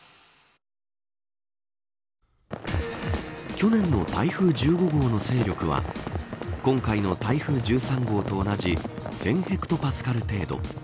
去年の台風１５号の勢力は今回の台風１３号と同じ１０００ヘクトパスカル程度。